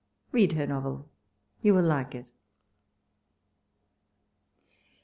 Read her novel — you will like it.